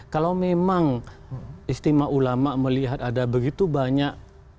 kalau memang istimewa ulama melihat ada begitu banyak